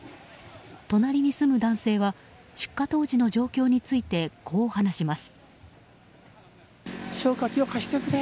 隣に住む男性は出火当時の状況についてこう話します。